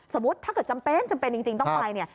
สมมุติถ้าเกิดจำเป็นจำเป็นจริงต้องไป